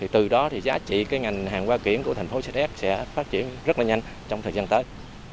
từ đó giá trị ngành hàng hoa kiểm của thành phố sa đéc sẽ phát triển rất nhanh trong thời gian tới